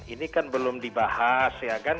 ini kan belum dibahas ya kan